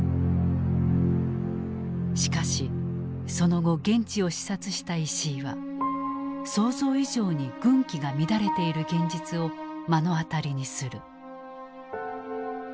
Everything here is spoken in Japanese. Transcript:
しかしその後現地を視察した石井は想像以上に軍紀が乱れている現実を目の当たりにする。